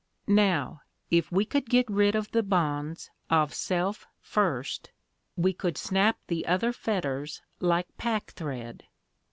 Now, if we could get rid of the bonds of self first, we could snap the other fetters like packthread.